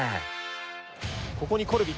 ここにコルビ！